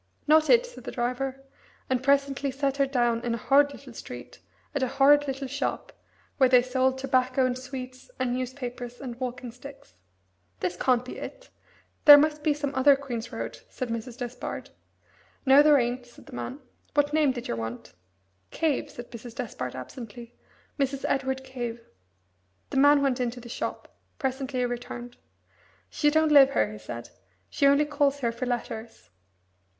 "Not it," said the driver, and presently set her down in a horrid little street, at a horrid little shop, where they sold tobacco and sweets and newspapers and walking sticks. "This can't be it! There must be some other Queen's Road?" said Mrs. Despard. "No there ain't," said the man. "What name did yer want?" "Cave," said Mrs. Despard absently; "Mrs. Edward Cave." The man went into the shop. Presently he returned. "She don't live here," he said; "she only calls here for letters."